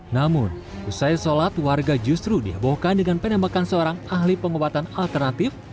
namun usai sholat warga justru dihebohkan dengan penembakan seorang ahli pengobatan alternatif